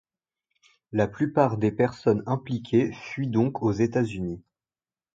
La plupart des personnes impliquées fuient donc aux États-Unis.